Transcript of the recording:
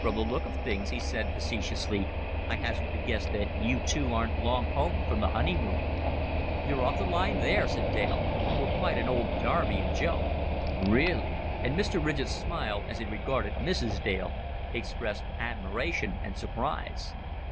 "From the look of things," he said facetiously, "I hazard the guess that you two aren't long home from the honeymoon." "You're off the line there," said Dale. "We're quite an old Darby and Joan." "Really!" And Mr. Ridgett's smile, as he regarded Mrs. Dale, expressed admiration and surprise.